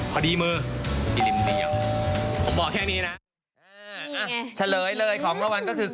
พอดีมือผมบอกแค่นี้น่ะนี่ไงอ่ะเฉลยเลยของละวันก็คือ